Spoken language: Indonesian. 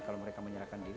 kalau mereka menyerahkan diri